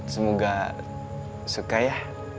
semoga suka ya